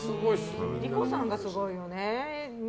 理子さんがすごいよね。